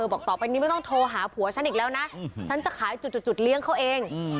บอกต่อไปนี้ไม่ต้องโทรหาผัวฉันอีกแล้วนะฉันจะขายจุดเลี้ยงเขาเอง